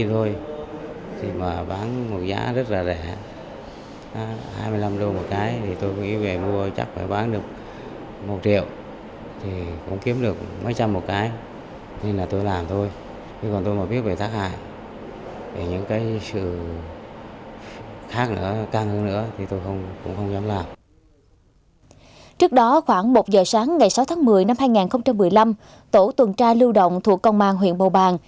trước đó khoảng một giờ sáng ngày sáu tháng một mươi năm hai nghìn một mươi năm tổ tuần tra lưu động thuộc công an huyện bào bàng